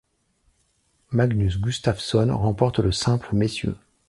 Magnus Gustafsson remporte le simple messieurs.